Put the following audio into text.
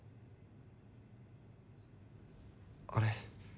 あれ？